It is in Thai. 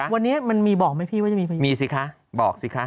วันนี้มันมีบอกไหมพี่ว่าจะมีมีสิคะบอกสิคะ